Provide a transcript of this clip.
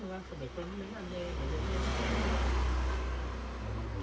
อืมแล้วสมมติก็นิ่งมันเลยเหมือนกันอ้าวมันทำเย็นแล้วเหมือนกัน